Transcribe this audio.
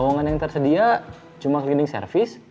ruangan yang tersedia cuma cleaning service